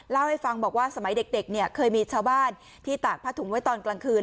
เล่าให้ฟังบอกว่าสมัยเด็กเนี่ยเคยมีชาวบ้านที่ตากผ้าถุงไว้ตอนกลางคืน